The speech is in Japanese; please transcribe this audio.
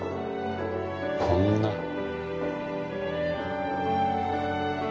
こんな